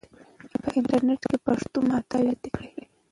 په انټرنیټ کې پښتو محتوا زیاته کړئ.